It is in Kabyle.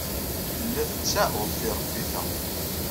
Telliḍ tettaɛuḍ tiṛeffit-a.